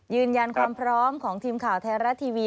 ยืนยันความพร้อมของทีมข่าวไทยรัฐทีวี